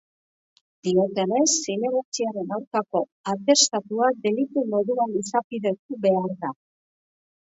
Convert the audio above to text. Diotenez, zinegotziaren aurkako atestatua delitu moduan izapidetu behar da.